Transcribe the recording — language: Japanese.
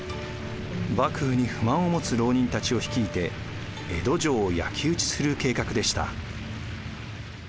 幕府に不満を持つ牢人たちを率いて江戸城を焼き打ちする計画でした。